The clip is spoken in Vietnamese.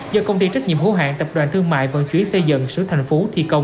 do công ty trách nhiệm hữu hạng tập đoàn thương mại và chuyến xây dựng sở thành phố thi công